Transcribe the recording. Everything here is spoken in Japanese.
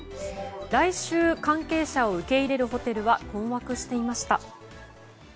来週、関係者を受け入れるホテルは困惑していました。